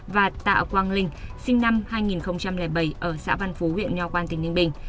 và tạ quang linh sinh năm hai nghìn bảy ở xã văn phú huyện nho quan tỉnh ninh bình